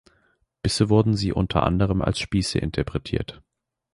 Bisher wurden sie unter anderem als Spieße interpretiert.